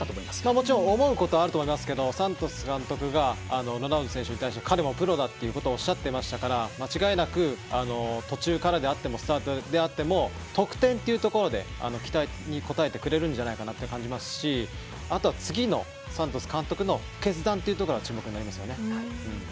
もちろん思うことはあると思いますけどサントス監督がロナウド選手に対して彼もプロだということをおっしゃっていましたから間違いなく途中からであってもスタートであっても得点というところで期待に応えてくれるんじゃないかなと感じますしあとは次のサントス監督の決断というところが注目になりますよね。